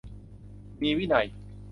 มีวินัย